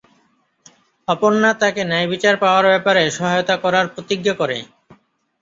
অপর্ণা তাকে ন্যায়বিচার পাওয়ার ব্যাপারে সহায়তা করার প্রতিজ্ঞা করে।